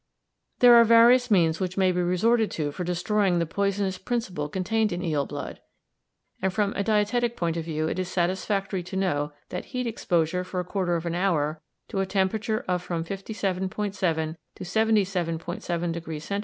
There are various means which may be resorted to for destroying the poisonous principle contained in eel blood, and from a dietetic point of view it is satisfactory to know that heat exposure for a quarter of an hour to a temperature of from 57·7° to 77·7° Cent.